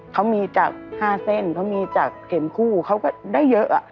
เขามีจาก๕เส้นเขามีจากเข็มคู่เขาก็ได้เยอะ